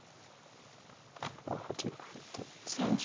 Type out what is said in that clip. あっ８六歩と突きました。